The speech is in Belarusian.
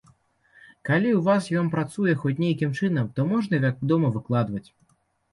Калі ў вас ён працуе хоць нейкім чынам, то можна, вядома, выкладваць.